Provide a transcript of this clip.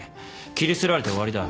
切り捨てられて終わりだ。